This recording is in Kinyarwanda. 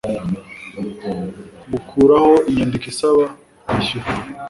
bukuraho inyandiko isaba kwishyura